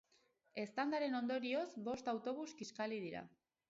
Eztandaren ondorioz, bost autobus kiskali dira.